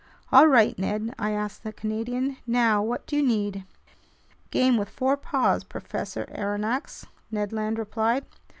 "All right, Ned," I asked the Canadian, "now what do you need?" "Game with four paws, Professor Aronnax," Ned Land replied.